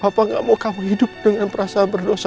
papa gak mau kamu hidup dengan perasaan bernosa